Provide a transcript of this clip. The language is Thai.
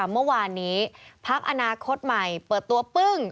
เมื่อวานนี้พักอนาคตใหม่เปิดตัวปึ้ง